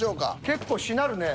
結構しなるね。